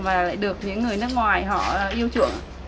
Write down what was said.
và lại được những người nước ngoài họ yêu chuộng